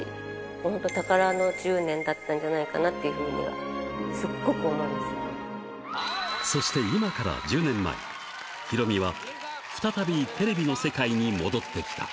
本当、宝の１０年だったんじゃないかなっていうふうにはすっごく思いまそして今から１０年前、ヒロミは再びテレビの世界に戻ってきた。